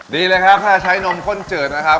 ดีเลยครับถ้าใช้นมข้นจืดนะครับ